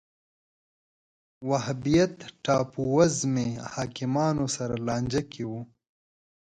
وهابیت ټاپووزمې حاکمانو سره لانجه کې و